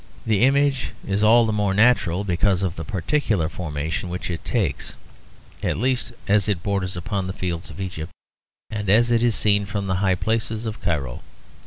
The image is all the more natural because of the particular formation which it takes, at least as it borders upon the fields of Egypt, and as it is seen from the high places of Cairo.